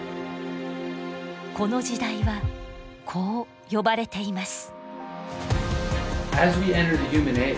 この時代はこう呼ばれています。